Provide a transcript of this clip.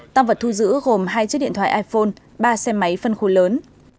tăng vật thu giữ gồm hai chiếc điện thoại iphone ba xe máy phân khối lớn